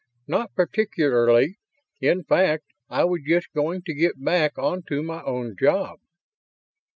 "Not particularly. In fact, I was just going to get back onto my own job."